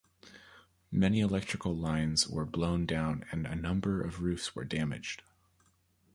Many electrical lines were blown down and a number of roofs were damaged.